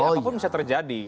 apapun bisa terjadi